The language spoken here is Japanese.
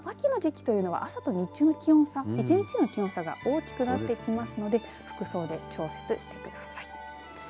秋の時期というのはあさと日中の気温の差一日の気温差が大きくなってきますので服装で調節してください。